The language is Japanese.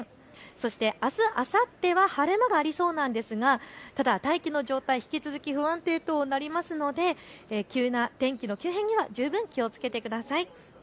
そしてあす、あさっては晴れ間がありそうなんですがただ大気の状態、引き続き不安定となりますので急な天気の急変には十分気をつけてください。